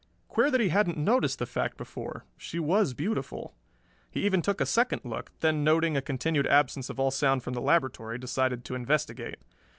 Queer that he hadn't noticed the fact before she was beautiful. He even took a second look, then noting a continued absence of all sound from the laboratory decided to investigate.